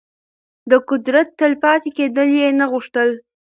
د قدرت تل پاتې کېدل يې نه غوښتل.